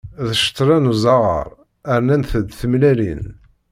D ccetla n uẓaɣaṛ, rnant-d tmellalin.